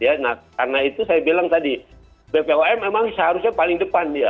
ya nah karena itu saya bilang tadi bpom memang seharusnya paling depan dia